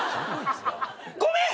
ごめん！